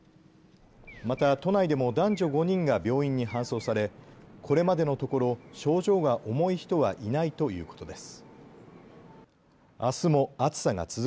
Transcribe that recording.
また都内でも男女５人が病院に搬送され、これまでのところ症状が重い人はいないということです。